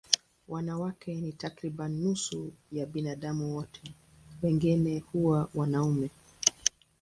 Wanawake ni takriban nusu ya binadamu wote, wengine huwa wanaume.